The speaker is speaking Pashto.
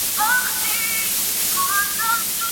هیڅوک نه سي کولای بل کس په زور مریی کړي.